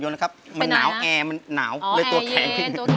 ร้องได้ให้ร้อง